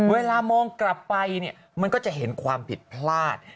เวลามองกลับไปเนี่ยมันก็จะเห็นความผิดพลาด